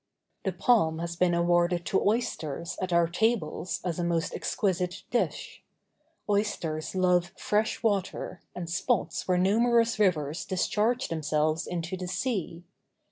The palm has been awarded to oysters at our tables as a most exquisite dish. Oysters love fresh water and spots where numerous rivers discharge themselves into the sea.